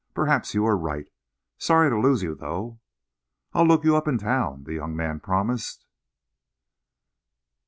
"Perhaps you are right. Sorry to lose you, though." "I'll look you up in town," the young man promised.